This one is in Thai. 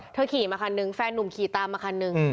ขี่มาคันนึงแฟนนุ่มขี่ตามมาคันหนึ่ง